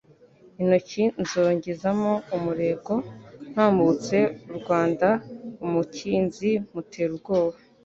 intoki nzongezamo umurego ntambutse Urwanda umukinzi mutera ubwoba,